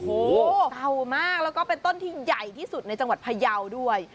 โอ้โหเก่ามากแล้วก็เป็นต้นที่ใหญ่ที่สุดในจังหวัดพยาวด้วย